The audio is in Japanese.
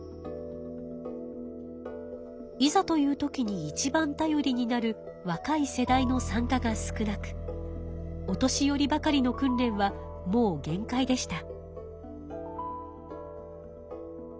いざという時にいちばん頼りになるわかい世代の参加が少なくお年寄りばかりの訓練はもう限界でした。